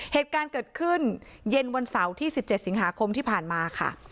เหตุการณ์เกิดขึ้นเย็นวันเสาร์ที่๑๗สิงหาคมที่ผ่านมาค่ะ